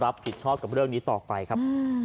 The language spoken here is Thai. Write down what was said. รับผิดชอบกับเรื่องนี้ต่อไปครับ